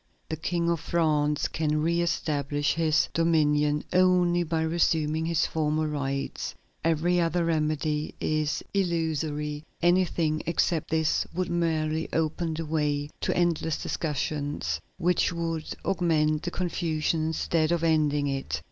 The King of France can re establish his dominion only by resuming his former rights; every other remedy is illusory; anything except this would merely open the way to endless discussions which would augment the confusion instead of ending it.